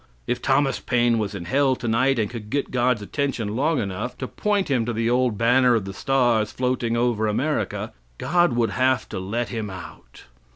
If Thomas Paine was in hell tonight, and could get God's attention long enough to point him to the old banner of the stars floating over America, God would have to let him out.